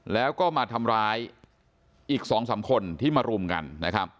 แล้วก็มาทำร้ายอีก๒๓คนที่มารุมกันนะครับ